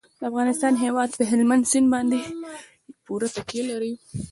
د افغانستان هیواد په هلمند سیند باندې پوره تکیه لري.